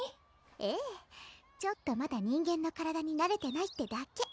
ええちょっとまだ人間の体になれてないってだけ！